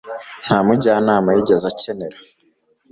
nta mujyanama yigeze akenera